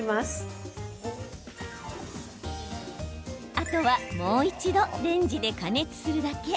あとは、もう一度レンジで加熱するだけ。